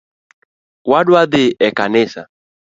Wadwa dhii e kanisa.